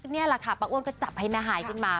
นี่แหละค่ะป้าอ้วนก็จับให้น้าหายขึ้นมา